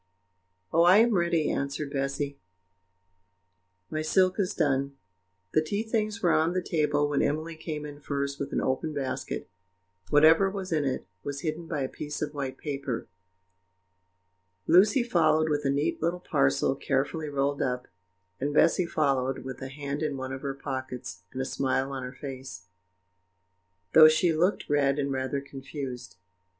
"Oh, I am ready," answered Bessy; "my silk is done." The tea things were on the table when Emily came in first with an open basket whatever was in it was hidden by a piece of white paper. Lucy followed with a neat little parcel, carefully rolled up; and Bessy followed, with a hand in one of her pockets, and a smile on her face, though she looked red and rather confused.